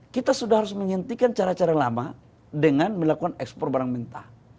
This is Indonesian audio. kita sudah harus menghentikan cara cara lama dengan melakukan ekspor barang mentah